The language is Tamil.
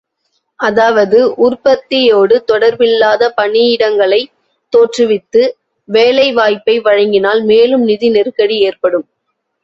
அதாவது, உற்பத்தியோடு தொடர்பில்லாத பணியிடங்களைத் தோற்றுவித்து வேலை வாய்ப்பை வழங்கினால் மேலும் நிதி நெருக்கடி ஏற்படும்.